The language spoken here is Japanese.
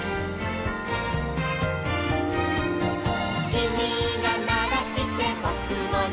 「きみがならしてぼくもなる」